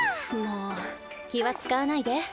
もう気は遣わないで？